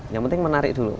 yang penting menarik dulu